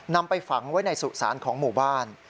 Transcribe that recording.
ไปฝังไว้ในสุสานของหมู่บ้าน